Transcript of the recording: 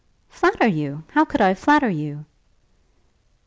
"Flatter you! how could I flatter you?"